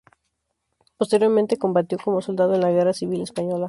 Posteriormente combatió como soldado en la Guerra Civil Española.